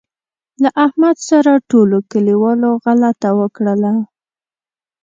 له احمد سره ټولوکلیوالو غلطه وکړله.